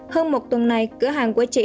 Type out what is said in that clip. hơn một tuần này cửa hàng của chị